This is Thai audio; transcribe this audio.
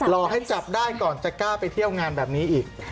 รอให้จับได้ก่อนจะกล้าไปเที่ยวงานแบบนี้อีก